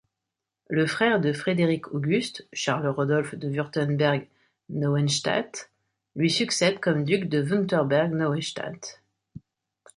Le frère de Frédéric-Auguste, Charles-Rodolphe de Wurtemberg-Neuenstadt, lui succède comme duc de Wurtemberg-Neuenstadt.